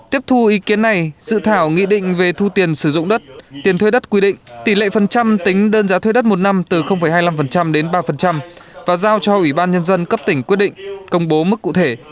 tiếp thu ý kiến này dự thảo nghị định về thu tiền sử dụng đất tiền thuê đất quy định tỷ lệ phần trăm tính đơn giá thuê đất một năm từ hai mươi năm đến ba và giao cho ủy ban nhân dân cấp tỉnh quyết định công bố mức cụ thể